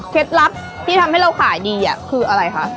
เคล็ดลับที่ทำให้เราขายดีอ่ะคืออะไรคะ